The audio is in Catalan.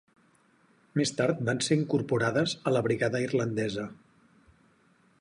Més tard van ser incorporades a la Brigada Irlandesa.